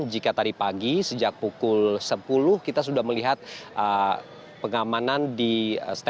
jika tadi pagi sejak pukul sepuluh kita sudah melihat pengamanan di standby kantor tempo